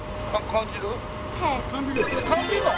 感じるの？